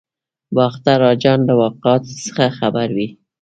باختر اجان له واقعاتو څخه خبر وي.